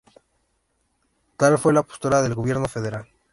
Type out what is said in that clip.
Tal fue la postura del Gobierno Federal.